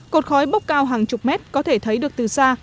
cột khói bốc cao hàng chục mét có thể thấy được từ xa